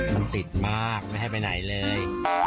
มันติดมากไม่ให้ไปไหนเลย